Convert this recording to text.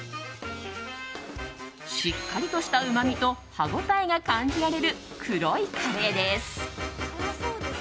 しっかりとしたうまみと歯応えが感じられる黒いカレーです。